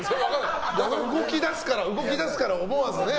動き出すから思わずね。